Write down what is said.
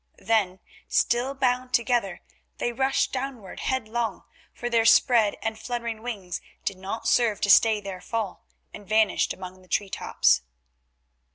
Then, still bound together, they rushed downward headlong, for their spread and fluttering wings did not serve to stay their fall, and vanished among the tree tops.